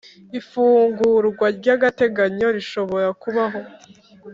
Ifungurwa ry ‘agateganyo rishobora kubaho.